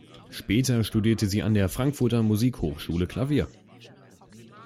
Später studierte sie an der Frankfurter Musikhochschule Klavier.